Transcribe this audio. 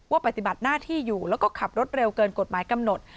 ปฏิบัติหน้าที่อยู่แล้วก็ขับรถเร็วเกินกฎหมายกำหนด